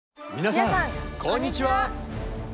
皆さんこんにちは！